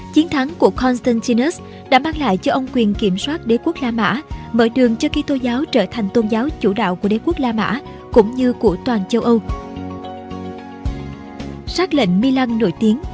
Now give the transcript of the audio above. chiến thắng của constantinus đã mang lại cho ông quyền kiểm soát đế quốc la mã mở đường cho kỳ tô giáo trở thành tôn giáo chủ đạo của đế quốc la mã cũng như của toàn châu âu